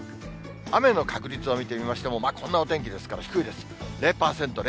雨の確率を見てみましても、こんなお天気ですから、低いです。